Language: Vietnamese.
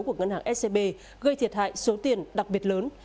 của ngân hàng scb gây thiệt hại số tiền đặc biệt lớn